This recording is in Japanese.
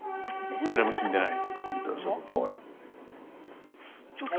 誰も死んでない。